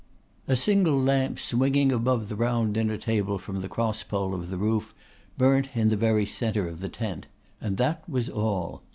A single lamp swinging above the round dinner table from the cross pole of the roof burnt in the very centre of the tent; and that was all.